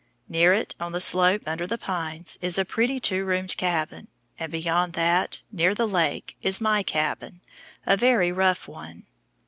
Near it, on the slope under the pines, is a pretty two roomed cabin, and beyond that, near the lake, is my cabin, a very rough one.